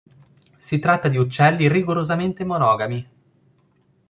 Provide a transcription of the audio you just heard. Si tratta di uccelli rigorosamente monogami.